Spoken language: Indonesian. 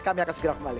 kami akan segera kembali